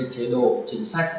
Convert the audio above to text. các chế độ chính sách